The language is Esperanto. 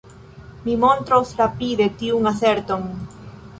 Mi montros rapide tiun aserton".